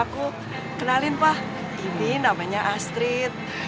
aku kenalin pak ini namanya astrid